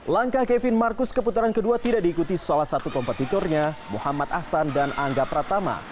langkah kevin marcus ke putaran kedua tidak diikuti salah satu kompetitornya muhammad ahsan dan angga pratama